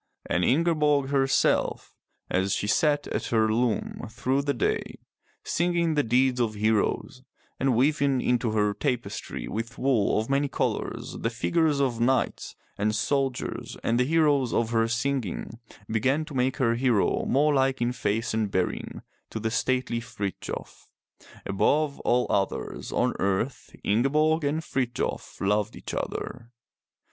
And Ingeborg herself, as she sat at her loom through the day, singing the deeds of heroes, and weaving into her tapestry with wool of many colors the figures of knights and soldiers and the heroes of her singing, began to make her hero more like in face and bearing to the stately Frithjof. Above all others on earth Ingeborg and Frithjof loved each other.